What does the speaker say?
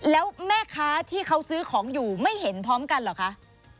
แล้วแม่ค้าที่เขาซื้อของอยู่ไม่เห็นพร้อมกันเหรอคะ